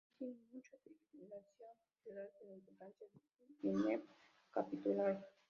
Sin mucha dilación, ciudades de la importancia de Utrecht y Nimega capitularon.